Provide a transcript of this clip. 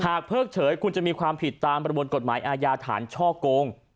เพิกเฉยคุณจะมีความผิดตามประมวลกฎหมายอาญาฐานช่อโกง